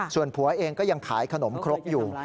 ส่วนผัวเองก็ยังขายขนมครกอยู่